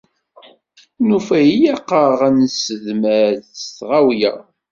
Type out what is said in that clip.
Nufa ilaq-aɣ ad nessedmer s tɣawla.